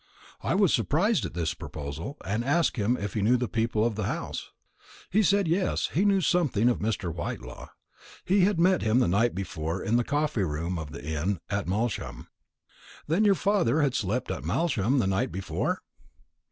I was surprised at this proposal, and asked him if he knew the people of the house. He said yes, he knew something of Mr. Whitelaw; he had met him the night before in the coffee room of the inn at Malsham." "Then your father had slept at Malsham the night before?"